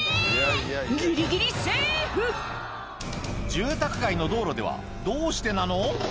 住宅街の道路ではどうしてなの？